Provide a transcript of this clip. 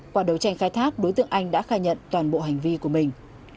qua đấu tranh khai thác đối tượng anh đã khai nhận toàn bộ hành vi của mình